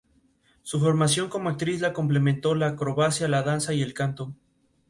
El comportamiento y el canto son los mismos que el pato.